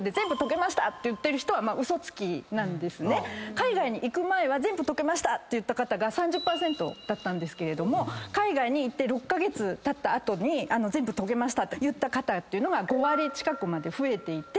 海外行く前は全部解けたって言った方が３０％だったけど海外に行って６カ月たった後に全部解けましたって言った方が５割近くまで増えていて。